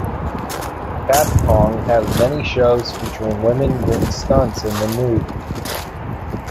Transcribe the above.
Patpong has many shows featuring women doing stunts in the nude.